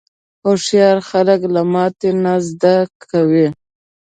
هوښیار خلک له ماتې نه زده کوي.